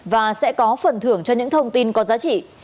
và sẽ có phần thưởng cho những thông tin có giá trị